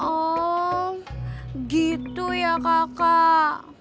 oh gitu ya kakak